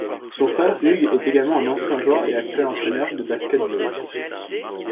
Son frère Hugues est également un ancien joueur et actuel entraîneur de basket-ball.